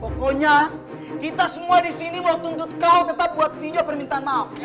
pokoknya kita semua di sini mau tuntut kau tetap buat video permintaan maaf